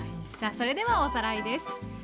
それではおさらいです。